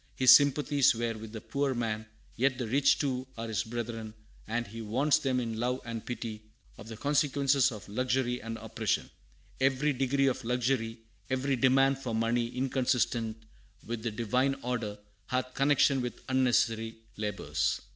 His sympathies were with the poor man, yet the rich too are his brethren, and he warns them in love and pity of the consequences of luxury and oppression: "Every degree of luxury, every demand for money inconsistent with the Divine order, hath connection with unnecessary labors."